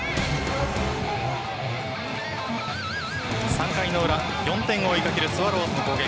３回の裏４点を追いかけるスワローズの攻撃。